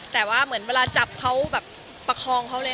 แต่ว่าเหมือนตลอดชมเวลาจักรเขาประครองเขาเลย